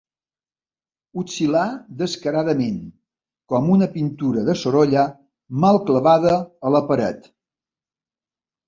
Oscil·lar descaradament, com una pintura de Sorolla mal clavada a la paret.